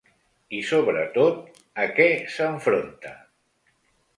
I, sobretot, a què s’enfronta?